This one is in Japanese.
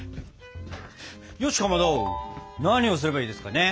よしかまど何をすればいいですかね？